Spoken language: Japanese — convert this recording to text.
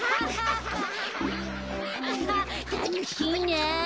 たのしいな！